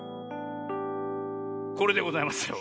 これでございますよ。